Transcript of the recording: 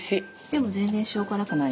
でも全然塩辛くない。